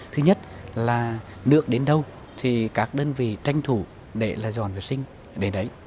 thứ nhất là nước đến đâu thì các đơn vị tranh thủ để là dọn vệ sinh để đấy